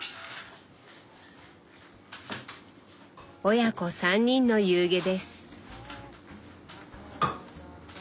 親子３人の夕げです。